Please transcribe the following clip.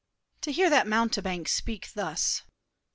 To hear that mountebank speak thus!